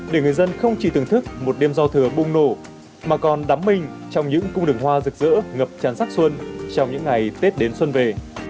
để người dân không chỉ tưởng thức một đêm do thừa bùng nổ mà còn đắm mình trong những con đường hoa rực rỡ ngập tràn sắc xuân trong những ngày tết đến xuân về